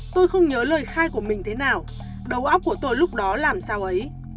tôi không nhớ lời khai của mình thế nào đầu óc của tôi lúc đó làm sao ấy